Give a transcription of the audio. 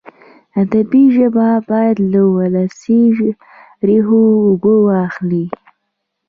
ادبي ژبه باید له ولسي ریښو اوبه واخلي.